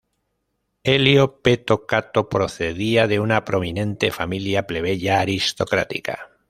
Elio Peto Cato procedía de una prominente familia plebeya aristocrática.